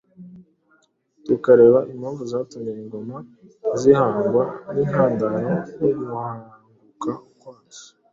tukareba impamvu zatumye ingoma zihangwa n’intandaro yo guhanguka kwazo.